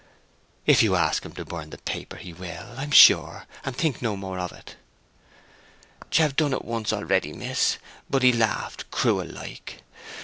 "If you ask him to burn the paper he will, I'm sure, and think no more of it." "'Ch have done it once already, miss. But he laughed cruel like.